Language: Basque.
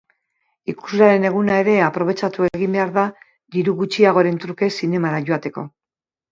Ikuslearen eguna ere aprobetxatu egin behar da diru gutxiagoren truke zinemara joateko.